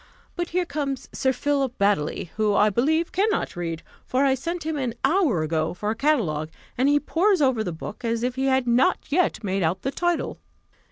But here comes Sir Philip Baddely, who, I believe, cannot read, for I sent him an hour ago for a catalogue, and he pores over the book as if he had not yet made out the title."